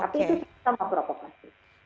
tapi itu sama perokok pasif